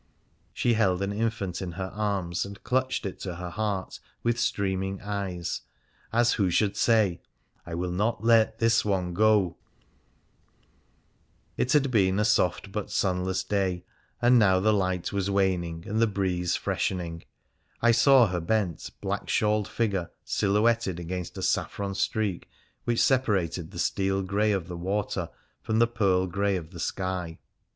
She held an infant in her arms, and clutched it to her heart with streaming eyes^ as who should say :" I will not let this one go r It had been a soft but sunless day, and now the light was waning and the breeze freshening : I saw her bent, black shawled figure silhouetted against a saffron streak which separated the steel grey of the water from the pearl grey of the sky.